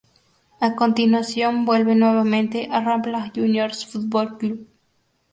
A continuación vuelve nuevamente a Rampla Juniors Fútbol Club.